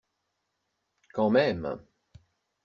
Quand même